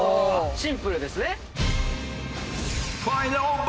シンプルですね。